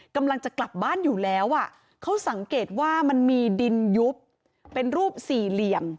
กำลังจะกลับบ้านอยู่แล้วอ่ะเขาสังเกตว่ามันมีดินยุบเป็นรูปสี่เหลี่ยม